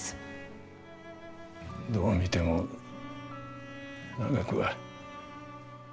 どう見ても長くは。